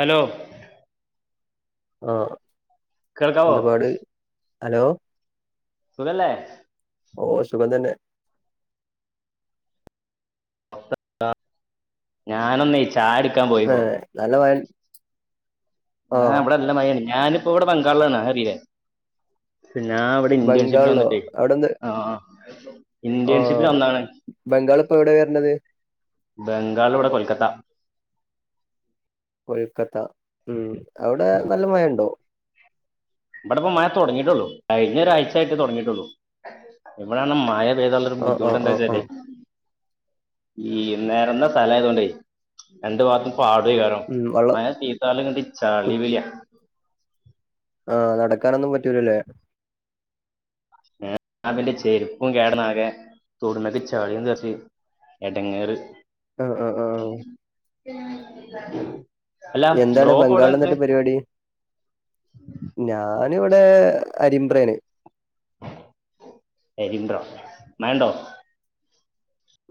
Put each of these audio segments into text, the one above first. Hello ആ കേൾക്കാവോ എന്ത്പാട് ഹലോ സുഖല്ലേ? ഓ സുഖം തന്നെ. ഞാനൊന്നേ ചായ കുടിക്കാൻ പോയിപ്പോ. ഏഹ് നല്ല മഴ ന്ന ആഹ് ഇവിടെ നല്ല മയാണ് ഞാനിപ്പോ ഇവിടെ ബംഗാളിലാണ്. അത് അറിയിലെ ഞാൻ ഇവിടെ ഇന്റേണഷിപ്പിന് ബംഗാളിലോ വന്നിട്ടേ അവിടെന്ത് ആ ഇന്റേണ്ഷിപ്പിന് ആഹ് വന്നതാണ്. ബംഗാൾ ഇപ്പോ എവിടെയാ വരണത് ബംഗാൾ ഇവിടെ കൊൽക്കത്ത. കൊൽക്കത്ത ഉം അവിടെ നല്ല മഴ ഉണ്ടോ? ഇവിടെപ്പോ മഴ തുടങ്ങിയിട്ടുള്ളൂ. കഴിഞ്ഞ ഒരാഴ്ച ആയിട്ട് തുടങ്ങിയിട്ടുള്ളൂ. ഇവിടെയാണ് മഴ ഇത് കൊണ്ട് ഉള്ളൊരു ആഹ് ആഹ് ബുദ്ധിമുട്ട് ആഹ് എന്താച്ചല്ലേ ആഹ് ഈ നെരന്ന സ്ഥലം ആയത്കൊണ്ടേ രണ്ടു ഭാഗത്തും ഉം വെള്ളം മഴ തീർത്താലോ ഇങ്ങട്ട് ചളി കുത്തി പിളി ആഹ് നടക്കാനൊന്നും പറ്റൂലല്ലേ ആ പിന്നെ ചെരുപ്പും കേടന്നാകെ തൊടുന്നടുത്ത് ചളിയും തെറിച്ച് എടങ്ങേറ് ആഹ് ആഹ് ആഹ് [inaudible] എന്താണ് ബ്രോ ഇപ്പൊ എവിടെ ബംഗാൾ നിക്കണ് ന്നിട്ട് പരിപാടി ഞാന് ഇവിടെ അരിമ്പ്രേല് അരിമ്പ്ര മഴ ണ്ടോ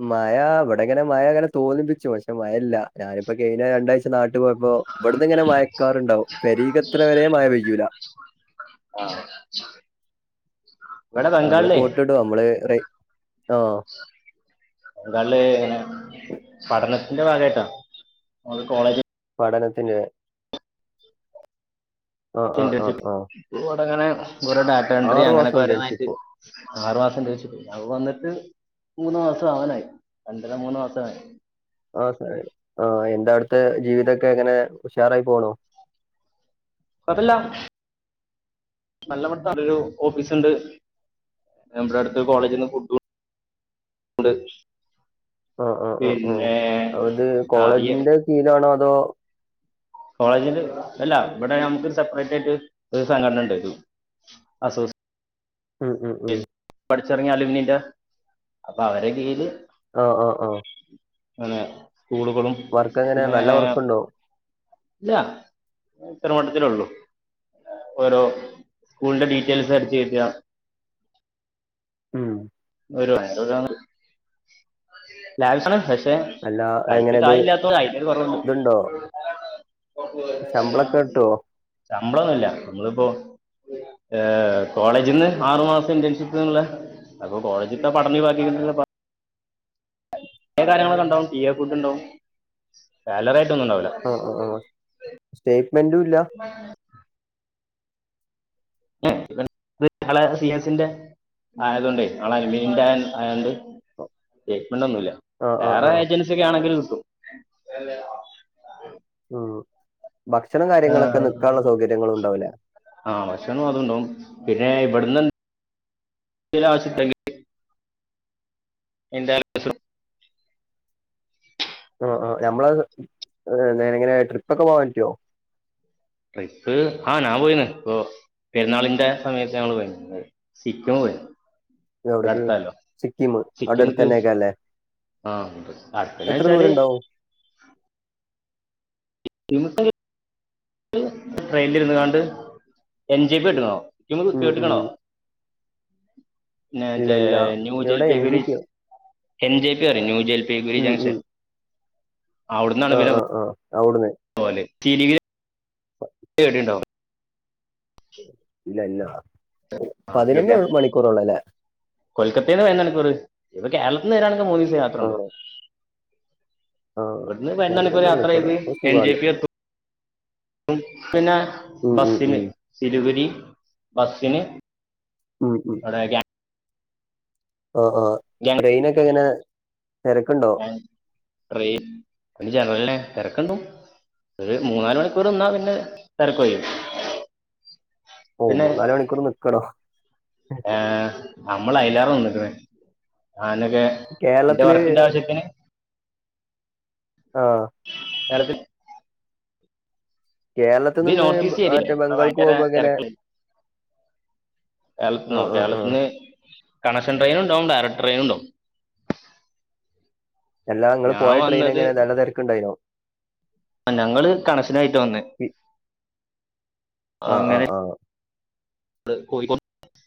മഴ ഇവിടെ ഇങ്ങനെ മഴ അങ്ങനെ തോന്നിപ്പിച്ചു പക്ഷെ മഴല്ല ഞാനിപ്പോ കഴിഞ്ഞ രണ്ടാഴ്ച നാട്ടു പോയപ്പോ ഇവിടുന്ന് ഇങ്ങനെ മഴക്കാറുണ്ടാവും പെരെക്കെത്തണവരെ മഴ പെയ്യൂല [inaudible] ആഹ് വളാ നമ്മള് കോട്ടിടും നമ്മള് റെയ് ഓഹ് [unintelligible] പഠനത്തിന്റെ ഭാഗമായിട്ടാ നമ്മള കോളേജ പഠനത്തിൻ്റെ ആഹ് ആഹ് ആഹ് ആഹ് ഓ ഇവിടെങ്ങനെ കുറെ ഡാറ്റാ എൻട്രി മാസം അങ്ങനെയൊക്കെ ഒരോന്നായിട്ട് ഇന്റേൺഷിപ്പ് ആറു മാസം ഇൻ്റെൻഷിപ്പ് ഞാൻ വന്നിട്ട് മൂന്നു മാസം അവാനായി രണ്ടര മൂന്നു മാസം ആ സ ആഹ് എന്ത അവിടത്തെ ജീവിതമൊക്കെ എങ്ങനെ ഉഷാറായി പോണോ കുഴപ്പല്ല നല്ലമത്താണ് ഒരു ഓഫീസ് ഉണ്ട് നമ്മുടെ അടുത്ത് കോളേജിൽ നിന്ന് ഫുഡ് [unintelligible] ഓഹ് ഓഹ് ഓഹ് പിന്നെ ഓഹ് അത് ആ ഈ കോളേജിന്റെ കീഴാണോ അതോ കോളേജില് അല്ല ഇവിടെ നമുക്ക് സെപ്പറേറ്റ് ആയിട്ട് ഒരു സംഘടന ഉണ്ടായിരുന്നു അസോസി ഉം ഉം ഉം പഠിച്ചിറങ്ങിയാലും നിൻ്റെ അപ്പൊ അവരുടെ കീഴില് ഓ ഓ ഓഹ് അതേ സ്കൂളുകളും വർക്ക് എങ്ങനെ പിന്നെ നല്ല വർക്കുണ്ടോ ഇല്ല ഇത്രമട്ടത്തില ഉള്ളൂ ഓരോ സ്കൂളിന്റെ ഡീറ്റെയിൽസ് അടിച്ച് കേറ്റുക ഉം ഒരു [unintelligible] പക്ഷെ അല്ല കൈക്ക് എങ്ങനെ ഇത് കായ്ല്ലാത്തോണ്ട് അതിൻ്റെ ഒരു കുറവുള്ളൂ ഇതുണ്ടോ ശമ്പളൊക്കെ കിട്ടുവോ ശമ്പളൊന്നുല്ല നമ്മളിപ്പോ ഏഹ് കോളേജിൽ നിന്ന് ആറു മാസം ഇന്റേൺഷിപ്പ്നുള്ള അപ്പൊ കോളേജിൻ്റെ പഠന ഒഴിവാക്കി പിന്നെ കാര്യങ്ങളൊക്കെണ്ടാവും ടി ഫുഡ് ഉണ്ടാവും സാലറി ആയിട്ട് ഒന്നും ഉണ്ടാവില്ല ഓ ഓ ഓഫ് സ്റ്റേറ്റ്മെന്റും ഇല്ല [unintelligible] ഷിയാസിന്റെ ആയതുകൊണ്ടോ [unintelligible] മീൻ സ്റ്റേറ്റ്മെന്റ് ഒന്നുമല്ല ആ ആ ആ വേറെഏജൻസി ഒക്കെ ആണെങ്കിൽ കിട്ടും ഉം ഭക്ഷണം കാര്യങ്ങളൊക്കെ നിക്കാനുള്ള സൗകര്യങ്ങളും ഉണ്ടാവൂലേ ആഹ് ഭക്ഷണം അത് ഉണ്ടാവും പിന്നെ ഇവിടുന്ന് എന്തെങ്കിലും ആവശ്യമുണ്ടങ്കിൽ എന്താ ഓഹ് ഓഫ് നമ്മള് ഇങ്ങനെ ട്രിപ്പ് ഒക്കെ പറ്റുവോ ട്രിപ്പ് ആഹ് ഞാൻ പോയിന്ന് ഇപ്പോ പെരുന്നാളിന്റെ സമയത്ത് ഞങ്ങള് പോയിരുന്നു സിക്കിംമിൽ പോയി എവിടക്ക് അടുത്താലോ സിക്കിം അവിടെ അടുത്ത് തന്നെ ഒക്കാ അല്ലേ ആഹ് അടുത്തന്ന എത്ര വെച്ചാല് ദൂരം ഉണ്ടാവും ട്രെയിനിൽ ഇരുന്നാണ്ട് എൻ ജെ പി ഇട്ടുന്നോ ഉം ഉം കേട്ടക്കണോ പിന്ന ഇല്ല ഇല്ല ന്യൂ ജൽ എവിടെ എം ജി പിയോ എൻ ജെ പി പറ ന്യൂ ജെ പി ഗുരി ഉം ജംഗ്ഷൻ ഉം അവിടന്നാണ് വില അവിടന്ന് [unintelligible] പേടി ഉണ്ടോ ഇല്ലല്ല പതിനൊന്ന് മണിക്കൂറോള്ളൂ അല്ലേ കൊൽക്കത്തയിൽ നിന്ന് [unintelligible] ഇപ്പ കേരളത്തിൽ നിന്ന് വരാണക്ക് മൂന്നീസം യാത്ര ആ ഉണ്ടാകും ആ ഇവിടുന്ന് പതിനൊന്നു മണിക്കൂർ പതിനൊന്ന് യാത്ര ചെയ്ത് അപ്പൊ എൻ ജെ സുഖമല്ലേ പി എത്ത പിന്നെ ഉം ഉം ബസിന് ഉം സിരഗിരി ബസിന് ഉം ഉം [unintelligible] ആഹ് ഗാ- ട്രെയിനൊക്കെ എങ്ങനെ തിരക്ക്ണ്ടോ ജനറല് തിരക്ക് ഉണ്ട് ഒരു മൂന്നാല് മണിക്കൂർ നിന്നാ പിന്നെ തിരക്ക് ഒഴിയും മൂന്ന് നാല് മണിക്കൂർ നിക്കണോ ഏഹ് നമ്മൾ അയലാറ നിന്നിക്കണ് ഞാനൊക്കെ എന്റെ കേരളത്തില് വർക്കിന്റെ ആവശ്യത്തിന് ആഹ് [unintelligible] കേരളത്തിൽ ഇത് നിന്ന് നോർത്ത് ബ- ഈസ്റ്റ് ഏരിയ മറ്റേ ഇവിടെ ബംഗാൾക്ക് ഭയങ്കര പോകുമ്പോ എങ്ങനെ തിരക്ക് ആ കേരളത്തിന്നോ ആ ആ കേരളത്തിന്ന് കണക്ഷൻ ട്രെയിന് ഉണ്ടാവും ഡയറക്ട് ട്രെയിനും ഉണ്ടാവും എല്ലാ നിങ്ങള് ഞാൻ പോയ ട്രെയിൻ വന്നത് എങ്ങനെ നല്ല തിരക്കുണ്ടായിനോ ആഹ് ഞങ്ങള് കണക്ഷനായിട്ട് വന്നേ ആഹ് ആഹ് ആഹ് കോഴിക്കോ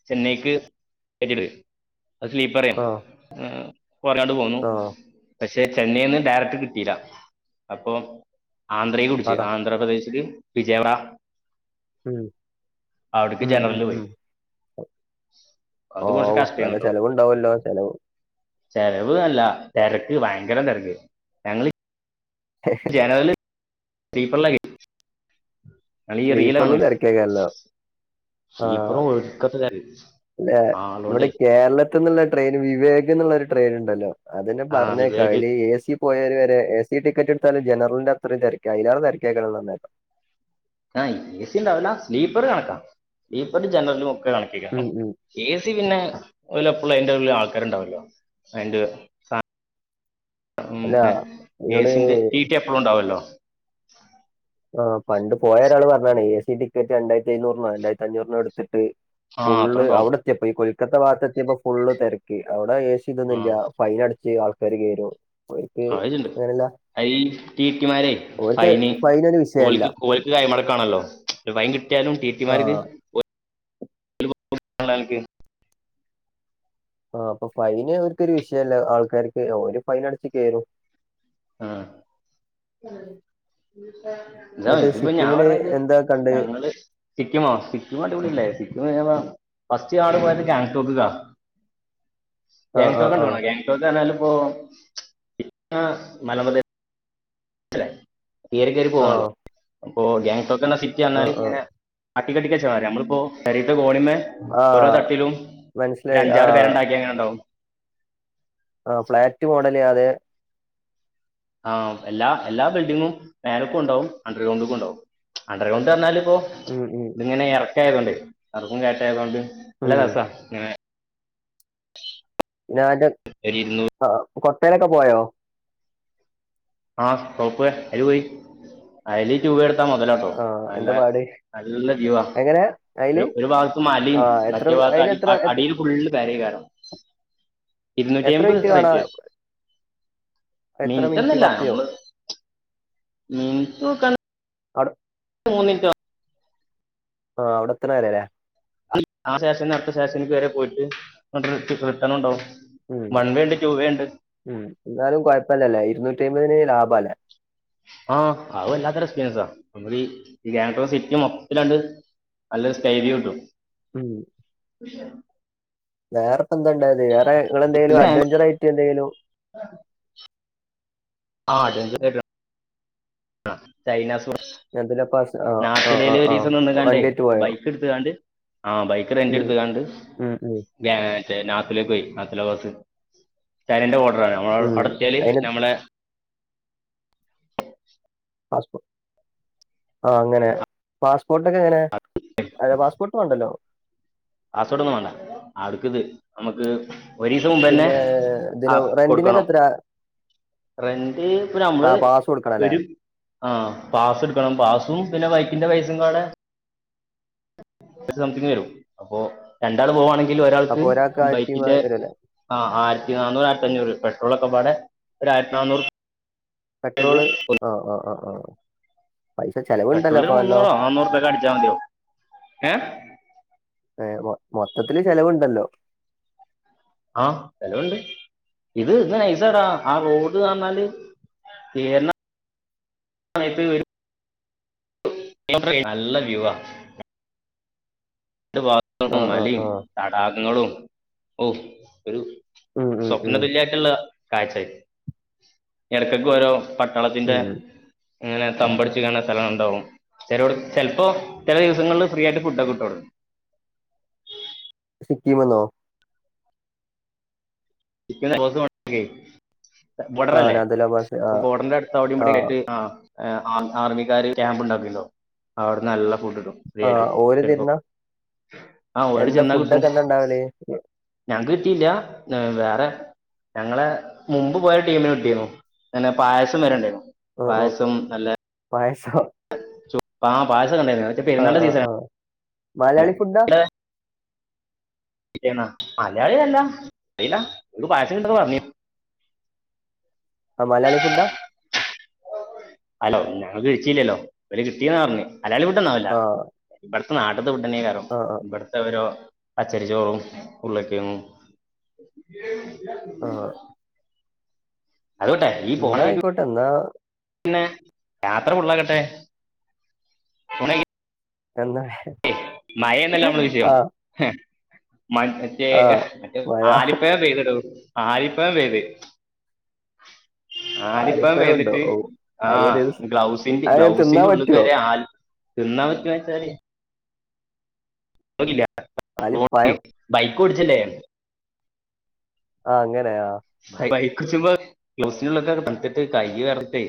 ചെന്നൈക്ക് ടിക്കെറ്റ് എടുത്തു അത് സ്ലീപ്പർ ആ ആയിരുന്നു കൊറഞ്ഞാണ്ട് പോന്നു ആ പക്ഷെ ചെന്നൈന്ന് ഡയറക്ട് കിട്ടില്ല അപ്പൊ ആന്ധ്രയ്ക്ക് പിടിച്ച് അതാ ആന്ധ്രാപ്രദേശില് വിജയവട ഉം ഉം ഉം പോയി ഉം അത് കുറച്ച് ഓഹ് കഷ്ടമാണ് നല്ല കേട്ടോ ചെലവുണ്ടാവല്ലോ ചെലവ് ചെലവ് അല്ല തിരക്ക് ഭയങ്കര തിരക്ക് ഞങ്ങൾ [inaudible] ചെലവര് സ്ലീപ്പറിൽ [inaudible] സ്ലീപ്പറിൽ തിരക്കേക്കാരല്ലോ ആഹ് സ്ലീപ്പറും ഒടുക്കത്തെ പിന്നെ ഇവിടെ ആളോണ്ടേ കേരള ത്ത്ന്നുള്ളൊരു ട്രെയിൻ വിവേക് എന്നുള്ളൊരു ട്രെയിൻ ഉണ്ടല്ലോ അതന്നെ ആ പറഞ്ഞേക്ക വിവേക് അയില് എ സി പോയവര് വരെ എ സി ടിക്കറ്റ് എടുത്താലും ജനറലിന്റെ അത്രയും തെരക്ക അതിലേറേ തെരക്ക് ആക്കണെന്ന് പറഞ്ഞേക്കാം ആഹ് എ സി ഉണ്ടാവില്ല സ്ലീപ്പർ കണക്കാ സ്ലീപ്പറും ജനറലും ഒക്കെ കണക്കേക്കാരം ഉം ഉം എ സി പിന്നെ അയില് എപ്പളും അയിന്റെ ഉള്ളി ആൾക്കാരുണ്ടാവല്ലോ അയിന്റെ സാ അല്ല [unintelligible] ഇന്നോട് ഏസിന്റ ടി ടി എപ്പളും ഉണ്ടാവല്ലോ ആഹ് പണ്ട് പോയൊരാള് പറഞ്ഞതാണ് എ സി ടിക്കറ്റ് രണ്ടായിരത്തി എഴുന്നൂറിനോ രണ്ടായിരത്തി അഞ്ഞൂറിനോ എടുത്തിട്ട് ആ അത്ര ഫുള്ള് ഉണ്ടാവും അവിടെത്തിയപ്പഴ്‌ ഈ കൊൽക്കത്ത ഭാഗത്ത് എത്തിയപ്പ ഫുള്ള് തെരക്ക് അവിടെ എ സി ആ ഇതൊന്നില്ല ഫൈൻ അടച്ച് ആൾക്കാര് കേറും ഓര്ക്ക് അയില്ണ്ട് അങ്ങനെല്ല അയ് ടി ടി മാരെ ഓര്ക്ക് ഫൈന് ഫൈനൊരു വിഷയമല്ല. ഓൽക്ക് കോൽക്ക് കൈ മടക്കാണല്ലോ [unintelligible] കിട്ടിയാലും ടി ടി മാർക്ക് ആഹ് ഓ [unintelligible] ആഹ് അപ്പൊ ഫൈന് ഓർക്കൊരു വിഷയല്ല ആൾക്കാർക്ക് ഓര് ഫൈൻ അടച്ച് കേറും ആഹ് ഇതാ എന്നിട്ട് ഇതിപ്പോ ഞാൻ സിക്കിമില് പറഞ്ഞത് എന്താ കണ്ടേ ഞങ്ങള് സിക്കിമോ സിക്കിം അടിപൊളിയല്ലേ സിക്കിം [unintelligible] ഫസ്റ്റ് ആടെ പോയപ്പൊ ഗാങ്ടോക്ക് [unintelligible] ഉ [inaudible] ആഹ് ഗ്യാങ്ടോക്ക് ആഹ് ആഹ് കണ്ട്ക്കണോ ഗ്യാങ്ടോക്ക് എന്നാല് ഇപ്പോ [unintelligible] ഉയരെ കേറി പോവാണല്ലോ ആഹ് അപ്പോ ഗ്യാങ്‌ടോക്ക് എന്ന സിറ്റ് വന്നാല് ആഹ് ആഹ് ഇങ്ങനെ അട്ടിക്കട്ടിക്കാ [unintelligible] അമ്മളിപ്പോ പെരേത്ത കോണിമ്മേ ഓരോ ആഹ് തട്ടിലും ഒരു മനസ്സിലായി അഞ്ചാറ് ആഹ് പേരെണ്ടാക്കിയാ എങ്ങനെയുണ്ടാവും ആഹ് ഫ്ളാറ്റ് മോഡല് അത് ആഹ് എല്ലാ എല്ലാ ബിൽഡിങ്ങും മേലക്ക് കൊണ്ടോവും അണ്ടർ ഗ്രൗണ്ടിൽ കൊണ്ടോവും അണ്ടർ ഗ്രൗണ്ട് പറഞ്ഞാല് ഇപ്പോ ഉം ഉം ഇങ്ങനെ എറക്കായത് കൊണ്ട് എറക്കോം കേറ്റായതൊണ്ട് നല്ല ഉം രസാ ഇങ്ങനെ [inaudible] ഞാന് ഒരു ഇരുന്നൂറ് ആഹ് കൊട്ടയിലൊക്കെ പോയോ ആഹ് [unintelligible] അയില് പോയി അയില് രൂപ എടുത്താ മൊതലാ ആഹ് എന്താ പാട് നല്ല വ്യൂവാ എങ്ങനെ ഒരു അയില് ഒരു ഭാഗത്ത് മലേം ആഹ് എത്ര മറ്റേ ഭാഗത്ത് അടി അയിലെത്ര അ അ എത്ര അടിയിൽ ഫുള്ള് [unintelligible] കാണാം എത്ര ഇരുന്നൂറ്റി എത്ര അയ്മ്പത് മിനിറ്റ് കാണാ റേറ്റ് എത്ര മിനിറ്റ് ഒന്നുംല്ല പത്തോ ഉം [unintelligible] അവിടെ തോന്നീട്ടാ ആഹ് അവിടെത്തണ വരെല്ലേ [unintelligible] ശേഷം പിന്നെ അടുത്ത സ്റ്റേഷനിക്ക് വരെ പോയിട്ട് [unintelligible] റിട്ടണോണ്ടാവും ഉം വൺ വേ ഉണ്ട് ടു വേ ഉണ്ട് ഉം എന്നാലും കൊഴപ്പല്ലല്ലേ ഇരുന്നൂറ്റി അയ്മ്പതിന് ലാഭല്ലേ ആഹ് അത് വല്ലാത്തൊരു എക്സ്പീരിയൻസാ നമ്മളീ ഈ ഗ്യാങ്‌ടോങ് സിറ്റി മൊത്തത്തിലണ്ട് നല്ലോരു സ്‌കൈ വ്യൂ കിട്ടും ഉം പഷ [unintelligible] വേറെപ്പ എന്താ ഉണ്ടായത് വേറെ ഇങ്ങള് എന്തെങ്കിലും അഡ്വഞ്ചർ ആയിട്ട് എന്തെങ്കിലും ആഹ് അഡ്വെഞ്ചർ [unintelligible] ആഹ് [unintelligible] അതിലപ്പ ആ ആ നാട്ടിലൽ ആ ഒരു ആ ദിവസം നിന്ന് കാണ്ട് വണ്ടിയേറ്റ് പോയോ ബൈക്ക് എടുത്ത കാണ്ട് ആഹ് ബൈക്ക് റെൻ്റ് ഉം എടുത്ത കാണ്ട് ഉം ഉം [unintelligible] നാത്തിലേക്ക് പോയി നാത്തില ബസ് [unintelligible] ഓർഡറാണ നമ്മ ഉം അടത്തിയാൽ അയിന് നമ്മളെ [inaudible] പാസ്പേ ആ അങ്ങനെ പാസ്പോർട്ടൊക്കെ എങ്ങനൊ പാസ് ഉണ്ടല്ലോ പാസ്പോർട്ടന്നും വേണ്ട അവ്ട്ക്കത് നമുക്ക് ഒരു ദിവസം മുമ്പ് തന്നെ പിന്നെ ആ ഇതിന് റെന്റിനൊക്കെ കൊടുക്കണം എത്ര റെൻ്റ് ഒരു ആ അമ്പത് പാസ് കൊടുക്കണം അല്ലേ ഒരു ആഹ പാസ് എടുക്കണം പാസും പിന്നെ ബൈക്കിന്റെ പൈസയും പാട സംതിങ് വരും അപ്പോ രണ്ടാൾ പോവാുകവാണെങ്കിൽ അപ്പൊ ഒരാൾക്ക് ആയിരത്തി ബൈക്കിന്റെ വരൂല്ലേ ആഹ് ആയിരത്തി നാന്നൂറ് ആയിരത്തി അഞ്ഞൂറ് പെട്രോളൊക്കെ പാടെ ഒരു ആയിരത്തി നാന്നൂറ് പെട്രോള് ആ ആ് ആ ആ പൈസ ചല പെട്രോളി ഒരു മുന്നൂറോ നാന്നൂറുപൊക്കെ അടിച്ചാൽ മതിയാവു ഏ ഏ മൊത്തത്തില്ൽ ചെലവുണ്ടല്ലോ ആഹ ചെലവുണ്ട് ഇത് ഇത് നൈസടാ ആ റോഡ് നന്നാല് ഏന്നാ [unintelligible] വരും നല്ല വ്യൂവാ രണ്ട് ആ ഭാഗത്തും ആ മലയും ആ തടാകങ്ങളും ഔ ഒരു ഉം ഉം സ്വപ്ന ഉം തുല്യായിട്ടുള്ള കാഴ്ചായി ഇടക്കെടക്ക് ഓരോ പട്ടാളത്തിന്റെ ഉം ഇങ്ങനെ തമ്പടിച്ചണ സ്ഥലം ഉണ്ടാവും ചിലോടത്ത് ചെലപ്പോ ചില ദിവസങ്ങളിൽ ഫ്രീ ആയിട്ട് ഫുഡൊക്കെ കിട്ടാവുടന്ന് സിക്കീമ്ന്നോ? സിക്കിം [unintelligible] ആ ബോടറല്ലേ നാഥുലാ പാസ് ആ അപ്പോ ബോടറിന്റെ അടുത്ത് അവിടേം ഇവിടേം ആയിട്ട് ആ ആർമിക്കാര് ക്യാമ്പ് ഉണ്ടാക്ക്ണ്ടാവും അവിടുന്ന് നല്ല ഫുഡ്ണ്ട് ഫ്രീ ആ ആയിട്ട് ഓര് ചിലപ്പോ തരുന്ന ആഹ ഓടങ്ങട്ട് എന്താ ചെന്നാ കിട്ടും ഫുഡൊക്കെ എന്താ ഇണ്ടാവല്? ഞങ്ങക്ക് കിട്ടീല്ല വേ റെ ഞങ്ങളെ മുമ്പ് പോയ ടീമിന് കിട്ടിന്നു പിന്നെ പായസം വേരേണ്ടേന്നു. ഉ ഉ പായസോ? ചോ ആ പായസം ഇണ്ടായിരുന്ന് ആ ആ ആ മലയാളി ഫുഡാ? മലയാളികളല്ല അറിയില ഒ ാൽക്ക് പായസം കിട്ടുന്നൊക്കെ പറഞ്ഞിനു ആ മലയാളി ഫുഡാ അലോ ഞങ്ങ കഴിച്ചില്ലല്ലോ ഓല് കിട്ടിന്നാ പറഞ്ഞത് മലയാളി ഫുഡൊന്നാവൂല. ആഹ് ഇബടത്തെ നാട്ടത്തെ ഫുഡെന്നെയ്ക്കാരം ആഹ് ആഹ് ഇബടത്തെ ഓരോ പച്ചരിച്ചോറും ഉർളക്കിയങ്ങും ആ ഹ് അത് പോട്ടെ ഇന്ന ആയിക്കോട്ടെ ഇന്നാ പിന്നെ യാത്ര ഫുള്ളാക്കട്ടെ [unintelligible] [unintelligible] മയേണല്ലോ നമ്മളെ വിഷയം ആഹ് ഹേ മഴ് ഏക ആഹ് മറ്റേ മഴ ആലിപ്പഴം പെയ്തടോ ആലിപ്പഴം പെയ്ത് ആലിപ്പഴം ഉണ്ടോ? പെയ്തിട്ട് ഓഹ് ആഹ് അതൊരു ഗ്ലൗസിന്റി അത് തിന്നാൻ ഗ്ലൗസിന്റെ ഉള്ള്ക്ക് പറ്റോ? വരെ ആൽ തിന്നാൻ പറ്റോയ്ച്ചാല് നോക്കീല്ല റോട്ടി ആലിപ്പഴം ബൈക്ക് ഓടിച്ചല്ലേ ആഹ് അങ്ങനെ ആഹ് ബൈക്കോടിച്ച്മ്പോ ഗ്ലൗസിന്റുള്ളിലൊക്കെ തൺത്തിട്ട് കയ്യ് വെറച്ചിട്ടെ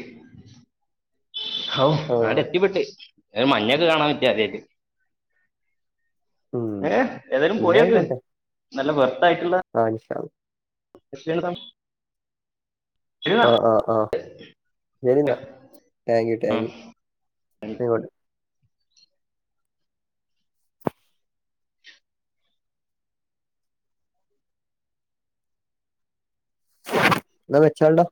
ഔ ആടെ ആഹ് എത്തിപ്പെട്ട് എഹ് മഞ്ഞൊക്കെ കാണാൻ പറ്റി ആദ്യായിട്ട് ഉം ഏഹ്ഏതായാലും എന്നാ പോയന്ന് ആയിക്കോട്ടെ നല്ല വെർത്തായിട്ടുള്ള ആഹ് ഇൻഷാ അള്ളാ നെസ്റ്റ് എങ്ങട്ടാ ആഹ് ആഹ് ആഹ് ശരിന്നാ താങ്ക് യു ടാങ്ക്യു ന്നാഅയ്ക്കോട്ടെ ന്നാ വെച്ചാൾടാ